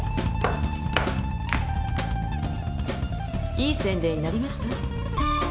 いい宣伝になりました？